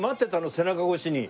背中越しに。